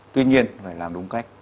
tuy nhiên phải làm đúng cách